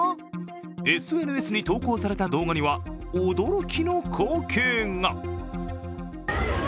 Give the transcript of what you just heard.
ＳＮＳに投稿された動画には驚きの光景が。